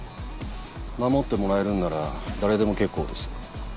守ってもらえるんなら誰でも結構です。